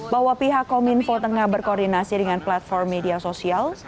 bahwa pihak kominfo tengah berkoordinasi dengan platform media sosial